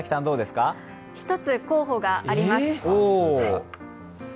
１つ、候補があります。